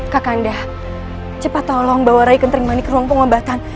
kak kanda cepat tolong bawa rai kentrimani ke ruang pengobatan